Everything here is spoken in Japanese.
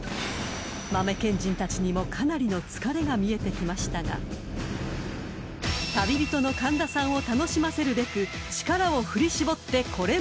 ［豆賢人たちにもかなりの疲れが見えてきましたが旅人の神田さんを楽しませるべく力を振り絞ってコレ豆ラッシュ］